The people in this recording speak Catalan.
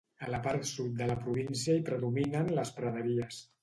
A la part sud de la província hi predominen les praderies.